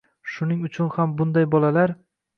Shuning uchun ham bunday bolalar